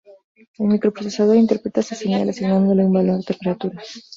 El microprocesador interpreta esta señal asignándole un valor de temperatura.